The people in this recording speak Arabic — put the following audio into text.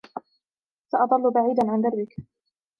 سأظل بعيداً عن دربك.